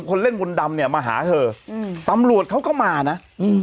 คนเล่นมนต์ดำเนี่ยมาหาเธออืมตำรวจเขาก็มานะอืม